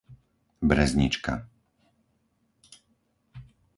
Breznička